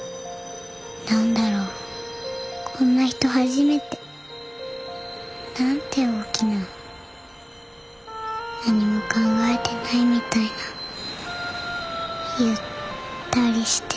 何だろうこんな人初めて。なんて大きな何も考えてないみたいなゆったりして。